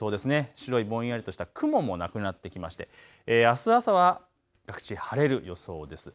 白いぼんやりとした雲もなくなってきまして、あす朝は各地晴れる予想です。